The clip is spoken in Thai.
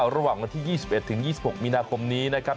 ระหว่างวันที่๒๑๒๖มีนาคมนี้นะครับ